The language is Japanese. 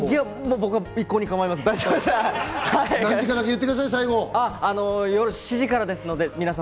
僕は一向に構いません。